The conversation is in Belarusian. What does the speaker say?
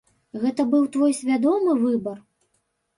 Гэта быў твой свядомы выбар?